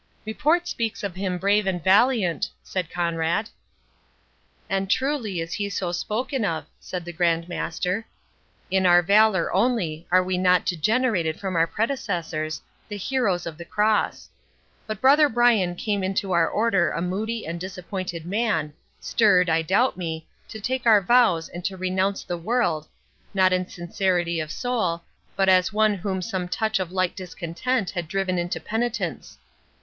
"Report speaks him brave and valiant," said Conrade. "And truly is he so spoken of," said the Grand Master; "in our valour only we are not degenerated from our predecessors, the heroes of the Cross. But brother Brian came into our Order a moody and disappointed man, stirred, I doubt me, to take our vows and to renounce the world, not in sincerity of soul, but as one whom some touch of light discontent had driven into penitence.